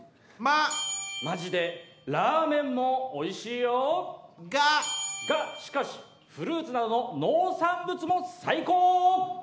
マジでラーメンもおいしいよ。がしかしフルーツなどの農産物も最高！